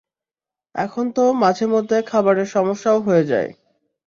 এখন তো মাঝেমধ্যে খাবারের সমস্যাও হয়ে যায়।